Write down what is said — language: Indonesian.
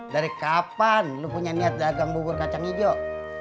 dari kapan lo punya niat dagang bugur kacang hijau